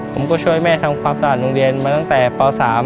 ผมก็ช่วยแม่ทำความสะอาดโรงเรียนมาตั้งแต่ป๓